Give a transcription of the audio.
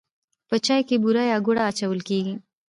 په چای کې بوره یا ګوړه اچول کیږي.